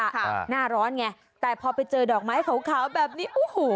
หน้าร้อนไงแต่พอไปเจอดอกไม้ขาวขาวแบบนี้โอ้โห